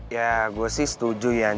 ya gue sih setuju ya